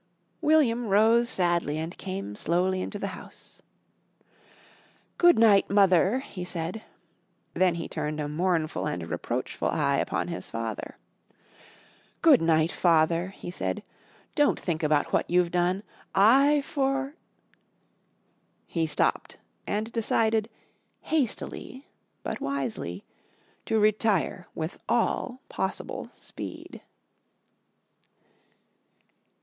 William rose sadly and came slowly into the house. "Good night, Mother," he said; then he turned a mournful and reproachful eye upon his father. "Good night, Father," he said. "Don't think about what you've done, I for " He stopped and decided, hastily but wisely, to retire with all possible speed.